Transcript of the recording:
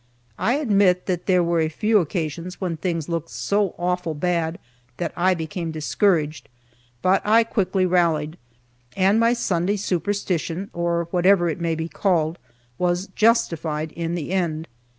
I'll admit that there were a few occasions when things looked so awful bad that I became discouraged, but I quickly rallied, and my Sunday superstition or whatever it may be called was justified in the end.